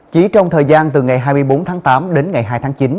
chỉ trong thời gian từ ngày hai mươi bốn tháng tám đến ngày hai tháng chín